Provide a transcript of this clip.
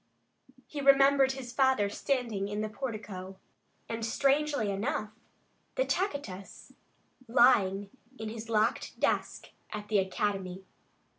He remembered his father standing in the portico, and, strangely enough, the Tacitus lying in his locked desk at the academy.